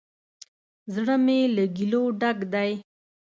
زړه می له ګیلو ډک دی